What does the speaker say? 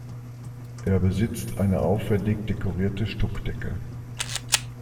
Er besitzt eine aufwendig dekorierte Stuckdecke.